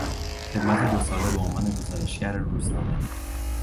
خدمت دو ساله به عنوان گزارشگر روزنامه